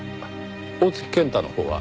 大槻健太のほうは？